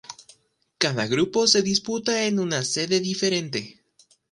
Cada grupo se disputa en una sede diferente.